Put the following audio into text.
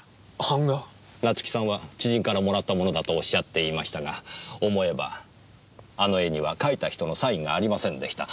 夏樹さんは知人からもらったものだとおっしゃっていましたが思えばあの絵には描いた人のサインがありませんでした。